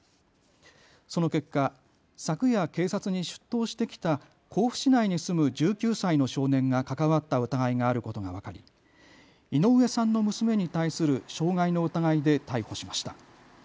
その結果、昨夜警察に出頭してきた甲府市内に住む１９歳の少年が関わった疑いがあることが分かり井上さんの娘に対する傷害の疑いで逮捕しました。